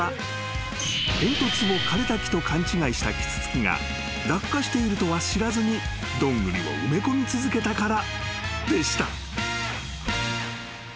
［煙突を枯れた木と勘違いしたキツツキが落下しているとは知らずにドングリを埋め込み続けたからでした］